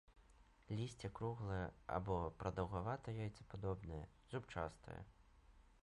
Лісце круглае або прадаўгавата-яйцападобнае, зубчастае.